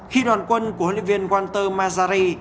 khi đoàn quân của huấn luyện viên walter marzari